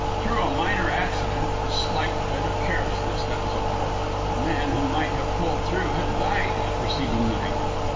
Through a minor accident, a slight bit of carelessness, that was all, a man who might have pulled through had died the preceding night.